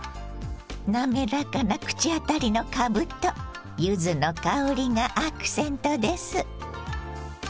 滑らかな口当たりのかぶと柚子の香りがアクセントです。